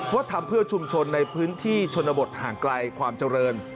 ทำเพื่อชุมชนในพื้นที่ชนบทห่างไกลความเจริญ